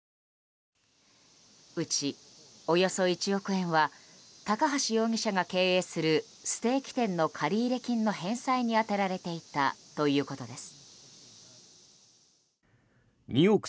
うち、およそ１億円は高橋容疑者が経営するステーキ店の借入金の返済に充てられていたということです。